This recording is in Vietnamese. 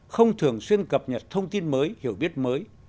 không thường xuyên cập nhật thông tin mới hiểu biết mới